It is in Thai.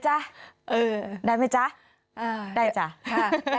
จากพอเล่นนะครับ